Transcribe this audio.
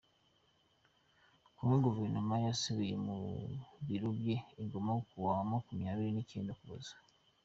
kongo Guverineri yasubiye mu biro bye i Goma ku wa makumyabiri nicyenda Ukuboza